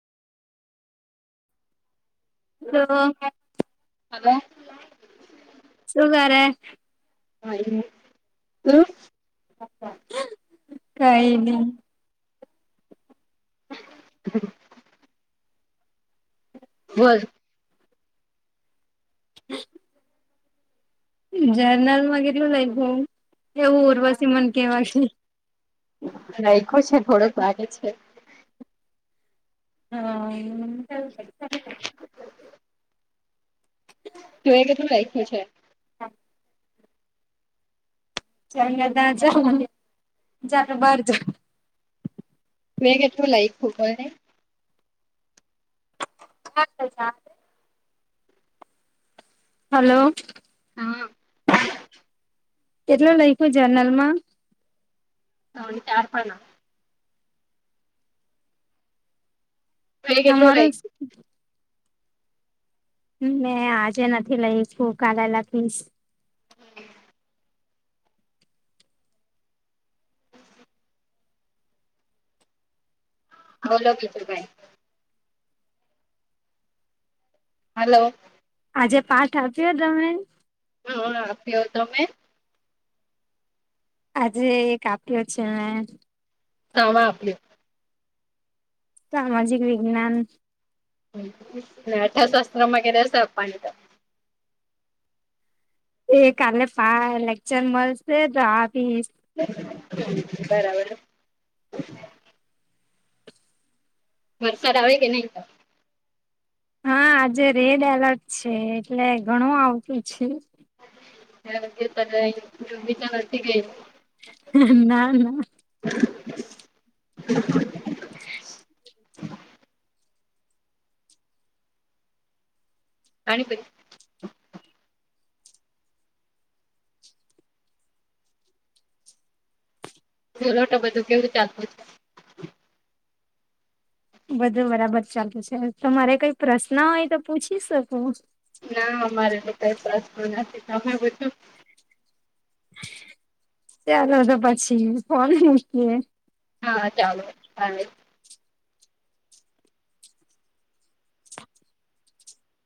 તો હલો સુુંગારે હા એ હ કઈ નહી વર હમ જર્નલમાંગેરે લઈહ એવું ઉર્વસી મન કે વાગે રાખો છે થોડોક વાગે છે હા જો એ કેટલું લખું છે હા [unintelligible] [unintelligible] હા હલો હા કેટલું લખ્યું જનરલ માં? ત્રણ ચાર પાનના તું એ કેટલું તમારો લાયખું મે આજે નથી લઈશ શું કાલે લખીશ ઓલોકેટ ભાઈ હલો આજે પાઠ આપ્યો તમને? હા આપ્યો તમે આજે એક આપ્યો છે તમે આપ્યો? સામાજિક વિજ્ઞાન [unintelligible] એ કાલે પાય લેક્ચર મળશે તો આપીશ બરાબર વરસાદ આવે કે ન તો હા આજે રેડ એલર્ટ છે એટલે ઘણું આવતું છે હ તીચ નથી ગય ના ના [unintelligible] અને પછ બોલો તો બધું કેવું ચાલતું છે બધું બરાબર ચાલતું છે તમારે કઈ પ્રશ્ન હોય તો પૂછી શકો ના અમારેટ કઈ પ્રશ્ન નથી તમે પૂછો ચાલો તો પછી ફોન મૂકીએ હા ચાલો હા